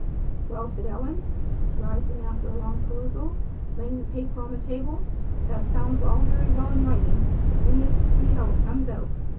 "Well," said Ellen, rising after a long perusal, laying the paper on the table, "that sounds all very well in writing. The thing is to see how it comes out.